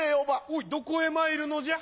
おいどこへ参るのじゃ？